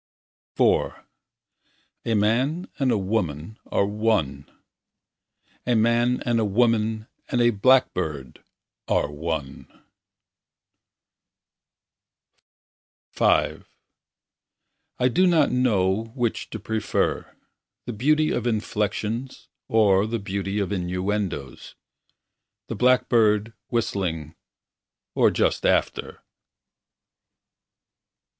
IV A man and a woman Are one . A man and a woman and a blackbird Are one . V I do not know which to prefer The beauty of inflexions Or the beauty of innuendos. The blackbird whistling Or just after.